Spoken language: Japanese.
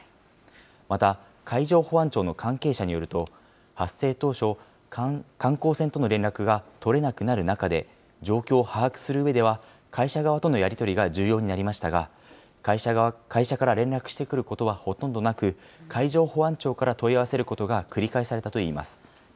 また、海上保安庁の関係者によると、発生当初、観光船との連絡が取れなくなる中で、状況を把握するうえでは、会社側とのやり取りが重要になりましたが、会社から連絡してくることはほとんどなく、海上保安庁から問い合わせることが繰り返されたといいます。